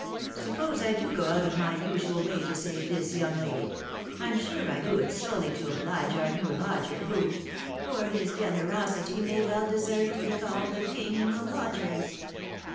Suppose I do go out of my usual way to save this young lady, I'm sure I do it solely to oblige our new lodger, who, for his generosity, may well deserve to be called the king of lodgers."